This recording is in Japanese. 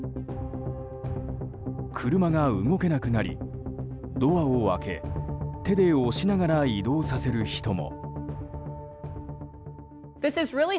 車が動けなくなり、ドアを開け手で押しながら移動させる人も。